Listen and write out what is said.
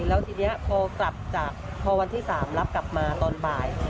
แล้วทีนี้พอกลับจากพอวันที่๓รับกลับมาตอนบ่าย